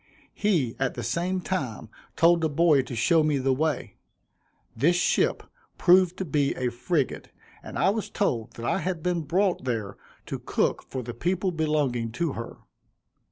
He at the same time told a boy to show me the way. This ship proved to be a frigate, and I was told that I had been brought there to cook for the people belonging to her.